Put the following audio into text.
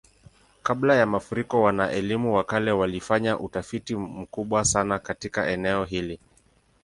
Kabla ya mafuriko, wana-elimu wa kale walifanya utafiti mkubwa sana katika eneo hili.